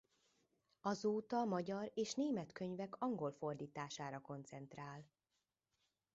Azóta magyar és német könyvek angol fordítására koncentrál.